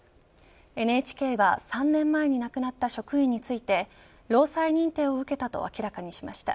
ＮＨＫは３年前に亡くなった職員について労災認定を受けたと明らかにしました。